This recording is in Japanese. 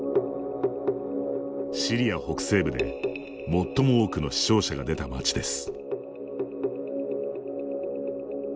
シリア北西部で最も多くの死傷者が出た街です。